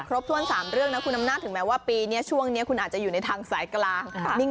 ถ้วน๓เรื่องนะคุณอำนาจถึงแม้ว่าปีนี้ช่วงนี้คุณอาจจะอยู่ในทางสายกลาง